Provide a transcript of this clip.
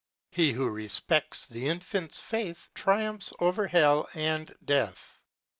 He who respects the Infant's faith Triumph's over Hell & Death.